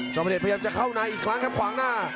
พระเดชพยายามจะเข้าในอีกครั้งครับขวางหน้า